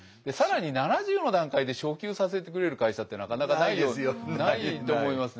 更に７０の段階で昇給させてくれる会社ってなかなかないと思いますね。